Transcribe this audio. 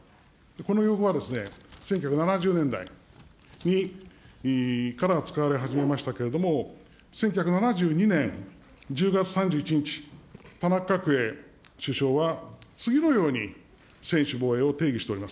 この用語は１９７０年代から、つくられ始めましたけども、１９７２年１０月３１日、田中角栄首相は、次のように専守防衛を定義しております。